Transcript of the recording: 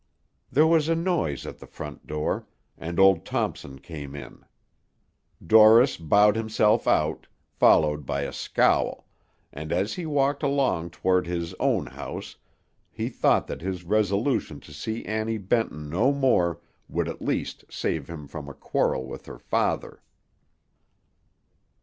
There was a noise at the front door, and old Thompson came in. Dorris bowed himself out, followed by a scowl, and as he walked along toward his own house he thought that his resolution to see Annie Benton no more would at least save him from a quarrel with her father.